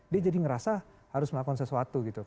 dia jadi ngerasa harus melakukan sesuatu gitu